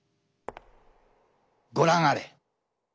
ご覧あれ！